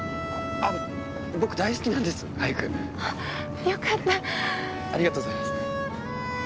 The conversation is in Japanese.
あ僕大好きなんです俳句。よかった。ありがとうございます。